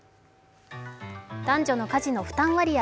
男女の家事の負担割合。